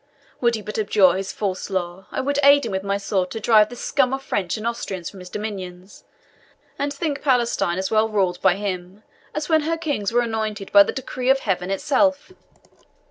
Would he but abjure his false law, I would aid him with my sword to drive this scum of French and Austrians from his dominions, and think Palestine as well ruled by him as when her kings were anointed by the decree of Heaven itself."